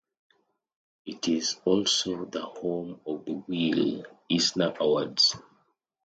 It is also the home of the Will Eisner Awards.